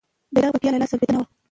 بیرغ به بیا له لاسه لوېدلی نه وو.